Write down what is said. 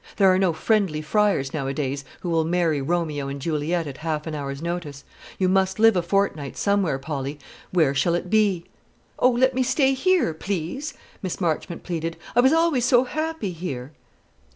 There are no friendly friars nowadays who will marry Romeo and Juliet at half an hour's notice. You must live a fortnight somewhere, Polly: where shall it be?" "Oh, let me stay here, please," Miss Marchmont pleaded; "I was always so happy here!"